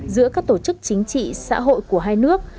giữa các tổ chức chính trị xã hội của hai nước